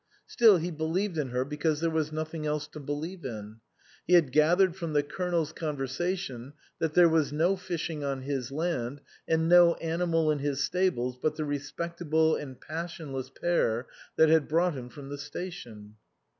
Still, he believed in her because there was nothing else to believe in. He had gathered from the Colonel's conversation that there was no fishing on his land, and no animal in his stables but the respectable and passionless pair that brought him from the station.